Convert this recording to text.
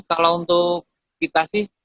kalau untuk kita sih